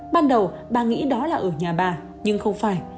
ban đầu bà nghĩ đó là ở nhà bà nhưng không phải